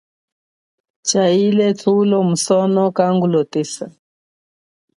Chaile thulo musono kangu lotesa.